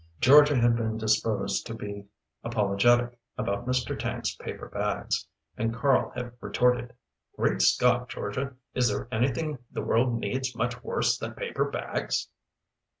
Georgia had been disposed to be apologetic about Mr. Tank's paper bags, and Karl had retorted: "Great Scott, Georgia, is there anything the world needs much worse than paper bags?"